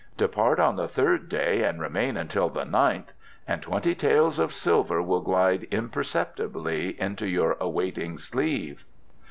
Depart on the third day and remain until the ninth and twenty taels of silver will glide imperceptibly into your awaiting sleeve."